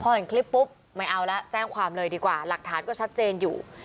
พอเห็นคลิปปุ๊บไม่เอาแล้วแจ้งความเลยดีกว่าหลักฐานก็ชัดเจนอยู่